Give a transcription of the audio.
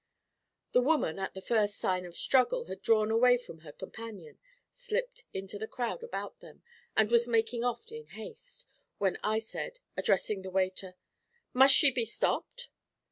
The woman at the first sign of struggle had drawn away from her companion, slipped into the crowd about them, and was making off in haste, when I said, addressing the waiter: 'Must she be stopped?'